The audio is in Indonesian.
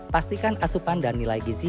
pastikan asupan dan nilai gizi